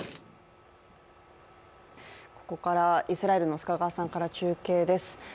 ここからはイスラエルの須賀川さんから中継です。